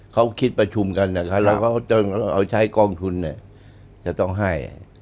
เขาคิดประชุมกันนะครับแล้วเขาต้องเอาใช้กองทุนจะต้องให้